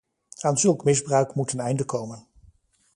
Aan zulk misbruik moet een einde komen.